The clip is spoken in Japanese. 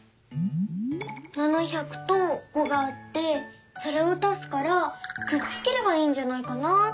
「７００」と「５」があってそれを足すからくっつければいいんじゃないかなって。